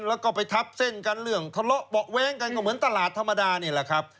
แล้วก็ไปทับเส้นกันเรื่องทะเลาะเบาะแว้งกันก็เหมือนตลาดธรรมดานี่แหละครับ